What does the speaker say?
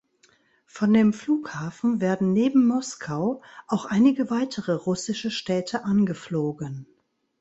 Von dem Flughafen werden neben Moskau auch einige weitere russische Städte angeflogen.